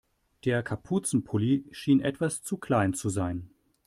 Der Kapuzenpulli schien etwas zu klein zu sein.